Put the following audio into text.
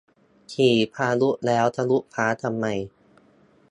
ขี่พายุแล้วทะลุฟ้าทำไม